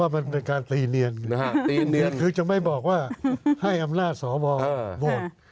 มันเป็นการตีเนียนด้วยอย่าคือจะไม่บอกให้อำนาจสภาพวอลโวท